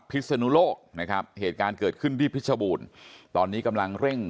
ศนุโลกนะครับเหตุการณ์เกิดขึ้นที่เพชรบูรณ์ตอนนี้กำลังเร่ง